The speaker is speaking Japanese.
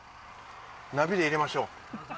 ナビで入れましょう。